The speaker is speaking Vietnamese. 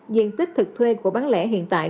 diện tích thực thuê của bản lệ hiện tại